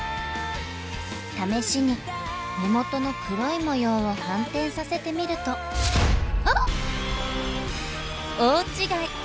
試しに目元の黒い模様を反転させてみるとあっ大違い！